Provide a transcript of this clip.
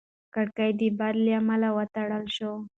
کړکۍ د باد له امله وتړل شوه.